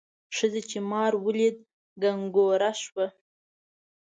ښځې چې مار ولید کنګوره شوه.